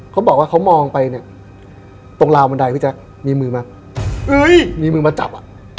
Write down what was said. เขาบอกว่ามองไปตรงลาวบันไดโมมมือมาจับ